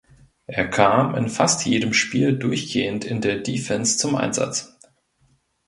Er kam in fast jedem Spiel durchgehend in der Defense zum Einsatz.